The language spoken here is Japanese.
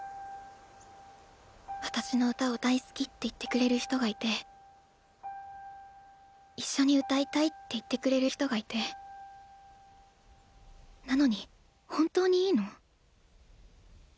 私の歌を大好きって言ってくれる人がいて一緒に歌いたいって言ってくれる人がいてなのに本当にいいの？